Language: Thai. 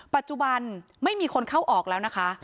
ปัจจุบันไม่มีคนเข้าออกแล้วนะคะ